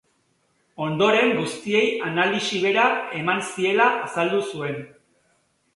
Ondoren guztiei analisi bera eman ziela azaldu zuen.